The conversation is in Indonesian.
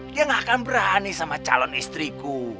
dia gak akan berani sama calon istriku